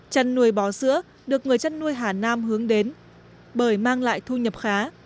chân nuôi bò sữa được người chân nuôi hà nam hướng đến bởi mang lại thu nhập khá